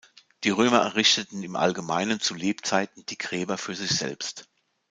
Die Römer errichteten im Allgemeinen zu Lebzeiten die Gräber für sich selbst.